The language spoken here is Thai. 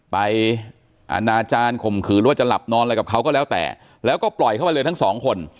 อาณาจารย์ข่มขืนหรือว่าจะหลับนอนอะไรกับเขาก็แล้วแต่แล้วก็ปล่อยเข้ามาเลยทั้งสองคน